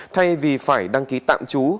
thay vì phải đăng ký tạm trú